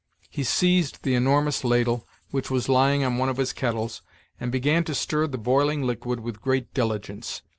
He seized the enormous ladle, which was lying on one of his kettles, and began to stir the boiling liquid with great diligence.